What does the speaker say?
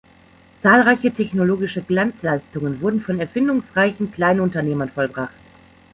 Zahlreiche technologische Glanzleistungen wurden von erfindungsreichen Kleinunternehmern vollbracht.